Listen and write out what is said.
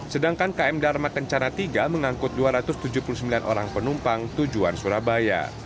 sedangkan km dharma kencana tiga mengangkut dua ratus tujuh puluh sembilan orang penumpang tujuan surabaya